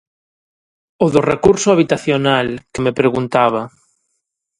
O do recurso habitacional, que me preguntaba.